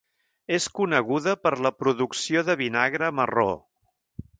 És coneguda per la producció de vinagre marró.